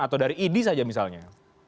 atau dari idi saja misalnya